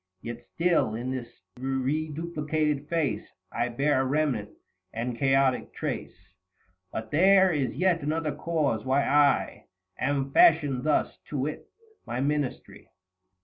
120 Yet still, in this reduplicated face, I bear a remnant and chaotic trace. But there is yet another cause why I Am fashioned thus, to wit, my Ministry.